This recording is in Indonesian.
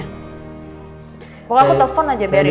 pokoknya aku telfon aja biarin